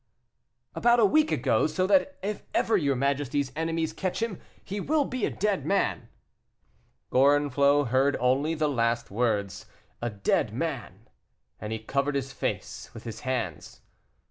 "About a week ago; so that if ever your majesty's enemies catch him he will be a dead man." Gorenflot heard only the last words, "a dead man"; and he covered his face with his hands.